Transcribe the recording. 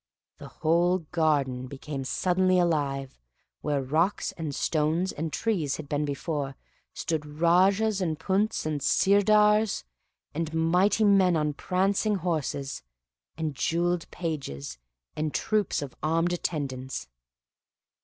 the whole garden became suddenly alive: where rocks, and stones, and trees had been before, stood Rajas, and Punts, and Sirdars, and mighty men on prancing horses, and jeweled pages, and troops of armed attendants.